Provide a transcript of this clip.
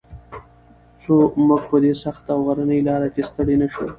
څو موږ په دې سخته او غرنۍ لاره کې ستړي نه شو.